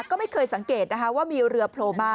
ก็ไม่เคยสังเกตนะคะว่ามีเรือโผล่มา